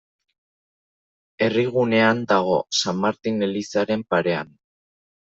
Herrigunean dago, San Martin elizaren parean.